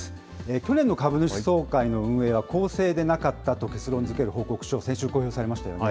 去年の株主総会の運営は公正でなかったと結論づける報告書が先週公表されましたよね。